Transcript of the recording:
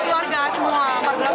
keluarga dari sidoarjo semua ya